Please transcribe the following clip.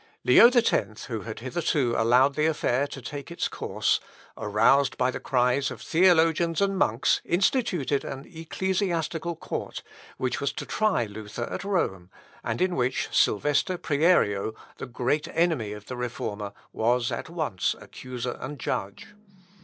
" Luth. Op. (L.) xvii, p. 169. Leo X, who had hitherto allowed the affair to take its course, aroused by the cries of theologians and monks, instituted an ecclesiastical court, which was to try Luther at Rome, and in which Sylvester Prierio, the great enemy of the Reformer, was at once accuser and judge.